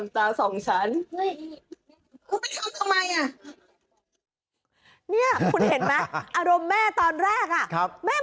ทำไมพล้อยมาทำวะ